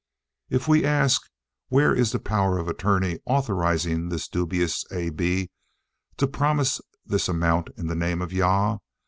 If we ask, Where is the power of attorney authorising this dubious A. B. to promise this amount in the name of Jah?